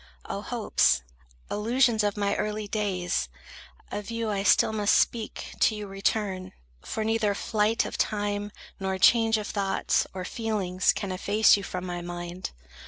O hopes, illusions of my early days!— Of you I still must speak, to you return; For neither flight of time, nor change of thoughts, Or feelings, can efface you from my mind.